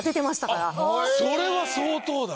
それは相当だ。